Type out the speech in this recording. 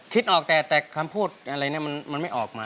คิดออกแต่คำพูดอะไรเนี่ยมันไม่ออกมา